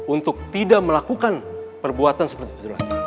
untuk tidak melakukan perbuatan seperti itu lagi